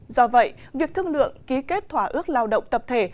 do vậy việc thương lượng ký kết thỏa ước lao động tập thể